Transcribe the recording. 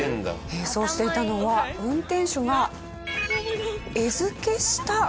並走していたのは運転手が餌付けしたカラス。